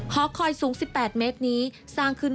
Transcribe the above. หอคอยสูง๑๘เมตรนี้สร้างขึ้น